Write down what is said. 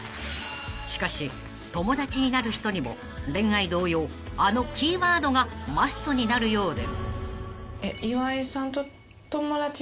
［しかし友達になる人にも恋愛同様あのキーワードがマストになるようで］